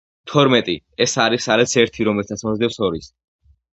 თორმეტი, ეს არის არის ერთი რომელსაც მოსდევს ორი.